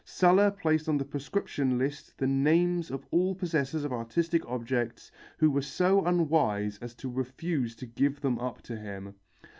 Sulla placed on the proscription list the names of all possessors of artistic objects who were so unwise as to refuse to give them up to him.